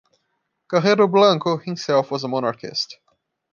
Carrero Blanco himself was a monarchist.